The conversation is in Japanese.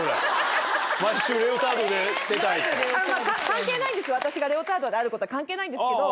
関係ないんです私がレオタードであることは関係ないんですけど。